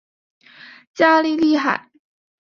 加利利海。